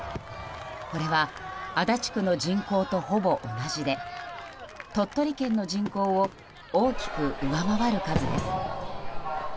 これは足立区の人口とほぼ同じで鳥取県の人口を大きく上回る数です。